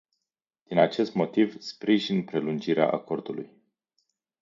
Din acest motiv, sprijin prelungirea acordului.